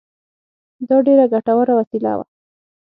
دا ډېره ګټوره وسیله وه.